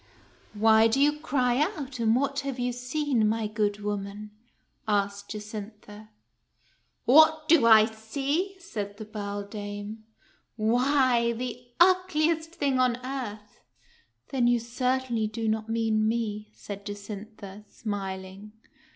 " Why do you cry out, and what have you seen, my good woman?" asked Jacintha. " What do I see ?" said the beldame. " Why, the ugliest thing on earth." "Then you certainly do not mean me," said Jacintha, smiling.